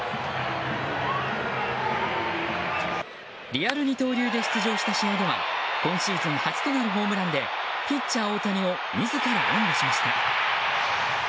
リアル二刀流で出場した試合では今シーズン初となるホームランでピッチャー大谷を自ら援護しました。